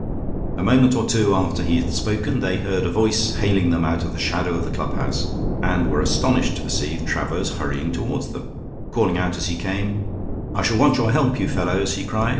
A moment or two after he had spoken they heard a voice hailing them out of the shadow of the clubhouse, and were astonished to perceive Travers hurrying toward them, calling out as he came: "I shall want your help, you fellows," he cried.